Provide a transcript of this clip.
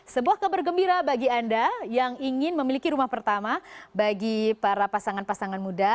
sebuah kabar gembira bagi anda yang ingin memiliki rumah pertama bagi para pasangan pasangan muda